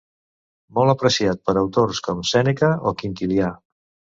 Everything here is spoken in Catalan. Molt apreciat per autors com Sèneca o Quintilià.